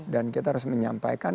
dan kita harus menyampaikan